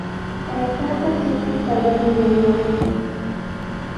Taytaaqa chuqllu pallaqmi aywarqun.